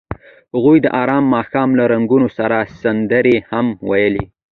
هغوی د آرام ماښام له رنګونو سره سندرې هم ویلې.